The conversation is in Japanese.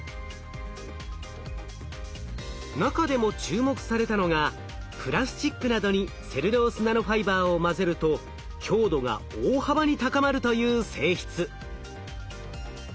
中でも注目されたのがプラスチックなどにセルロースナノファイバーを混ぜると強度が大幅に高まるという性質。